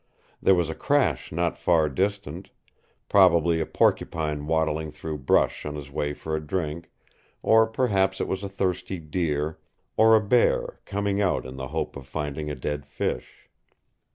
There was a crash not far distant, probably a porcupine waddling through brush on his way for a drink; or perhaps it was a thirsty deer, or a bear coming out in the hope of finding a dead fish.